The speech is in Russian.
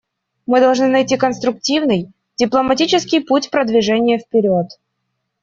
Мы должны найти конструктивный, дипломатический путь продвижения вперед.